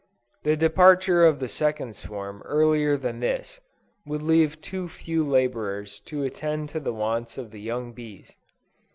The departure of the second swarm earlier than this, would leave too few laborers to attend to the wants of the young bees.